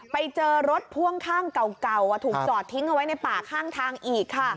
ไปเจอรถพ่วงข้างเก่าถูกจอดทิ้งเอาไว้ในป่าข้างทางอีกค่ะ